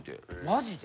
マジで？